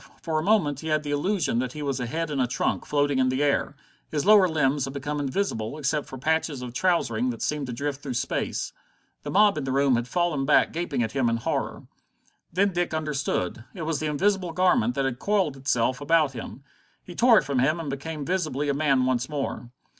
For a moment he had the illusion that he was a head and a trunk, floating in the air. His lower limbs had become invisible, except for patches of trousering that seemed to drift through space. The mob in the room had fallen back gaping at him in horror. Then Dick understood. It was the invisible garment that had coiled itself about him. He tore it from him and became visibly a man once more.